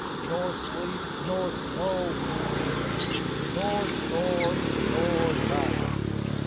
Nor sleet nor snow he heeds, nor storm nor night.